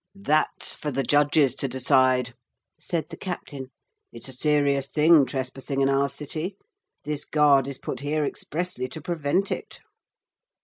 'That's for the judges to decide,' said the captain, 'it's a serious thing trespassing in our city. This guard is put here expressly to prevent it.'